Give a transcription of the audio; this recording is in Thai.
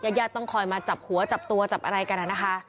ญาติต้องคอยมาจับหัวจับตัวจับอะไรกันนะคะ